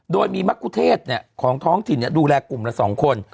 โดยมีมะกุเทศของท้องถิ่นดูแลกลุ่มละ๒คน